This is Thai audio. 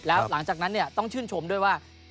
แล้วหลังจากนั้นต้องชื่นชมด้วยว่า